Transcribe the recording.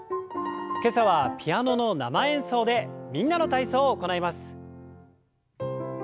今朝はピアノの生演奏で「みんなの体操」を行います。